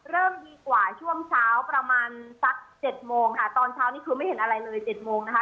เริ่มดีกว่าช่วงเช้าประมาณสัก๗โมงค่ะตอนเช้านี้คือไม่เห็นอะไรเลย๗โมงนะคะ